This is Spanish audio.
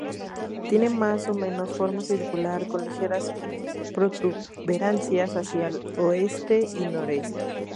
Tiene más o menos forma circular, con ligeras protuberancias hacia el oeste y noroeste.